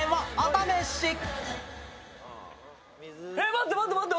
待って、待って、待って！